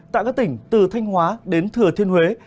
tại các tỉnh từ thanh hóa đến thừa thiên huế